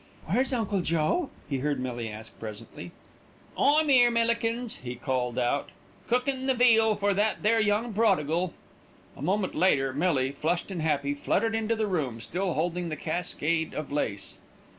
"Where's Uncle Joe?" he heard Millie ask presently. "I'm 'ere, Millikins," he called out, "cookin' the veal for that there young prodigal." A moment later Millie, flushed and happy, fluttered into the room, still holding the cascade of lace.